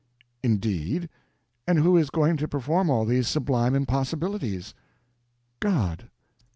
"Indeed? and who is going to perform all these sublime impossibilities?" "God."